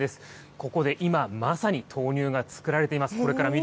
ここで今、まさに豆乳が作られています。